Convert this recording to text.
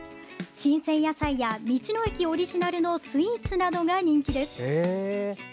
新鮮野菜や、道の駅オリジナルのスイーツなどが人気です。